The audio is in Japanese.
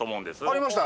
ありました！